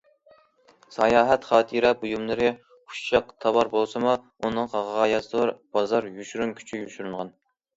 ساياھەت خاتىرە بۇيۇملىرى ئۇششاق تاۋار بولسىمۇ، ئۇنىڭغا غايەت زور بازار يوشۇرۇن كۈچى يوشۇرۇنغان.